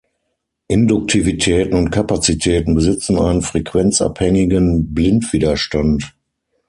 Induktivitäten und Kapazitäten besitzen einen frequenzabhängigen Blindwiderstand.